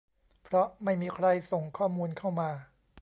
เพราะไม่มีใครส่งข้อมูลเข้ามา